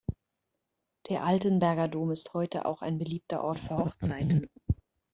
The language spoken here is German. Der Altenberger Dom ist heute auch ein beliebter Ort für Hochzeiten.